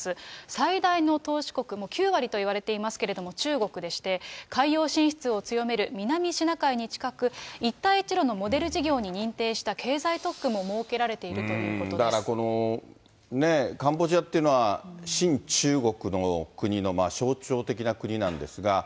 最大の投資国、もう９割といわれていますけれども、中国でして、海洋進出を強める南シナ海に近く、一帯一路のモデル事業に認定した経済特区も設けられているというだから、このカンボジアっていうのは、親中国の国の象徴的な国なんですが。